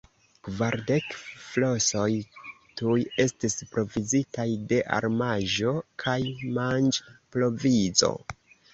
Kvardek flosoj tuj estis provizitaj de armaĵo kaj manĝprovizo.